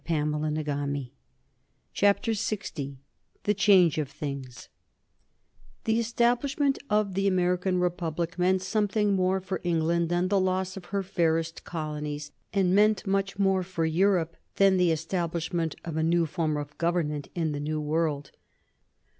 [Sidenote: 1789 The political condition of France] The establishment of the American republic meant something more for England than the loss of her fairest colonies, and meant much more for Europe than the establishment of a new form of government in the New World.